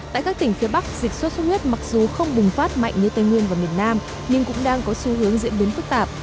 tại các tỉnh phía bắc dịch sốt xuất huyết mặc dù không bùng phát mạnh như tây nguyên và miền nam nhưng cũng đang có xu hướng diễn biến phức tạp